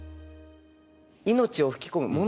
命を吹き込む。